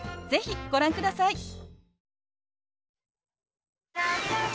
是非ご覧ください。